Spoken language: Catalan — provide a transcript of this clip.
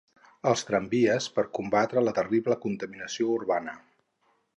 Els tramvies per combatre la terrible contaminació urbana.